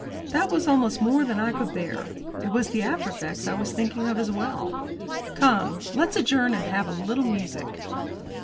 That was almost more than I could bear; it was the after effects I was thinking of as well. "Come, let's adjourn and have a little music."